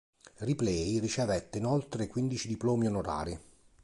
Ripley ricevette, inoltre, quindici diplomi onorari.